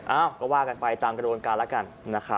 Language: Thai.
เอ้าก็ว่ากันไปตามกระบวนการแล้วกันนะครับ